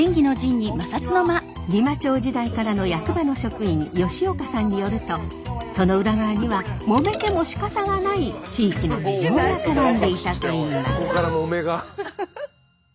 仁摩町時代からの役場の職員吉岡さんによるとその裏側にはもめても仕方がない地域の事情が絡んでいたといいます。